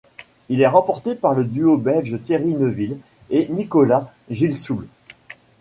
Il est remporté par le duo belge Thierry Neuville et Nicolas Gilsoul.